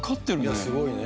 すごいね。